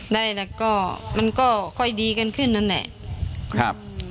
ได้แล้วก็มันก็ค่อยดีกันขึ้นนั่นแหละครับ